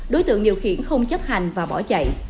đối tượng điều khiển không chấp hành và bỏ chạy